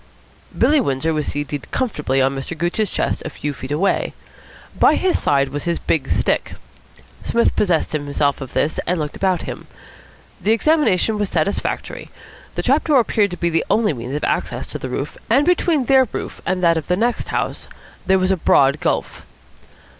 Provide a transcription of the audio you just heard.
Billy Windsor was seated comfortably on Mr. Gooch's chest a few feet away. By his side was his big stick. Psmith possessed himself of this, and looked about him. The examination was satisfactory. The trap door appeared to be the only means of access to the roof, and between their roof and that of the next house there was a broad gulf.